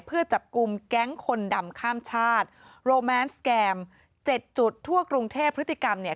เพื่อจับกลุ่มแก๊งคนดำข้ามชาติโรแมนสแกมเจ็ดจุดทั่วกรุงเทพพฤติกรรมเนี่ย